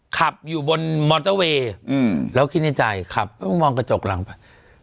ขับอยู่บนมอเตอร์เวย์แล้วคิดในใจขับแล้วก็มองกระจกหลังไป